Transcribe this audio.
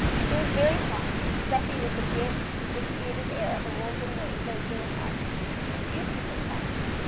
It was very hot; stuffy with the damp, vitiated air of a London night verging on August. Few people passed.